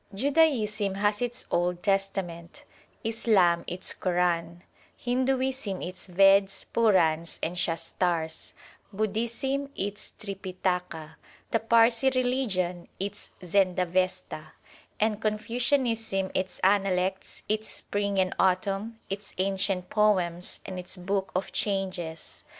Judaism has its Old Testament ; Islam its Quran ; Hinduism its Veds, Purans, and Shastars ; Bud hism its Tripitaka ; the Parsi religion its Zend avesta ; and Confucianism its Analects, its Spring and Autumn, its Ancient Poems and its Book of Changes.